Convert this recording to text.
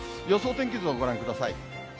天気図をご覧ください。